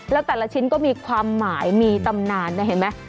แล้วแต่ละชิ้นก็มีความหมายมีตำนานนะเห็นไหม